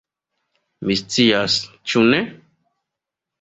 Mi scias, ĉu ne?